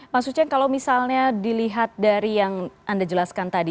mas uceng kalau misalnya dilihat dari yang anda jelaskan tadi